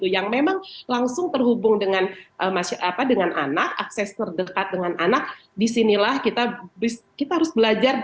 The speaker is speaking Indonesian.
yang memang langsung terhubung dengan anak akses terdekat dengan anak disinilah kita harus belajar